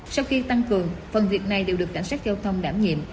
sau khi tăng cường phần việc này đều được cảnh sát giao thông đảm nhiệm